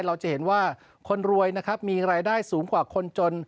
เราจะเห็นว่าคนรวยนะครับมีรายได้สูงกว่าคนจน